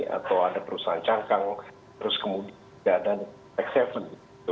atau ada perusahaan cangkang terus kemudian tidak ada tax haven